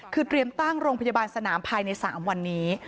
คือเตรียมตั้งโรงพยาบาลสนามภายใน๓วันนี้